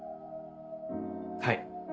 はい！